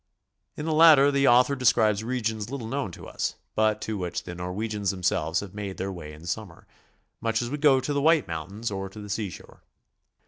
In the latter the author describes regions little known to us, but to which the Norwegians themselves have made their way in summer, much as we go to the White Mountains or to the seashore.